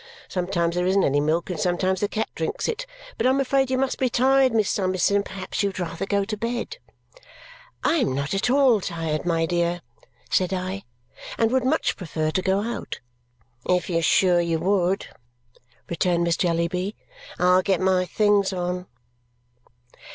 Sometimes there isn't any milk, and sometimes the cat drinks it. But I'm afraid you must be tired, Miss Summerson, and perhaps you would rather go to bed." "I am not at all tired, my dear," said I, "and would much prefer to go out." "If you're sure you would," returned Miss Jellyby, "I'll get my things on."